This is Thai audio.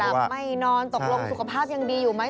ไม่นอนตกลงสุขภาพยังดีอยู่ไหม